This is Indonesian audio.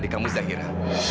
adik kamu zahira